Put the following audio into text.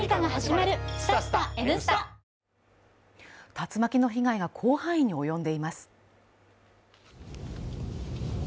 竜巻の被害が広範囲に及んでいます。